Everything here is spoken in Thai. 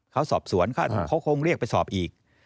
เขาคงเรียกไปสอบอีก